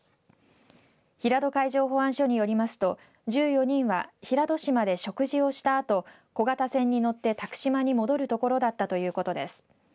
平戸海上保安署によりますと１４人は平戸島で食事をしたあと小型船に乗って度島に戻るところだったということです。